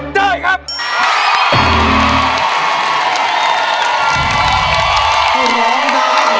ได้ครับ